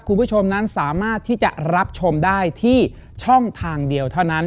คุณผู้ชมนั้นสามารถที่จะรับชมได้ที่ช่องทางเดียวเท่านั้น